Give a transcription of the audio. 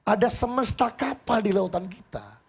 ada semesta kapal di lautan kita